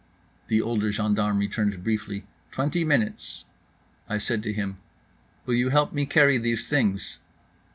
The older gendarme returned briefly, "Twenty minutes." I said to him: "Will you help me carry these things?"